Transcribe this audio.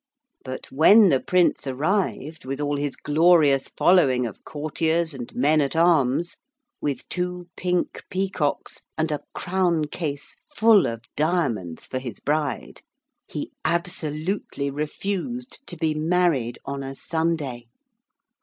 But when the Prince arrived with all his glorious following of courtiers and men at arms, with two pink peacocks and a crown case full of diamonds for his bride, he absolutely refused to be married on a Sunday.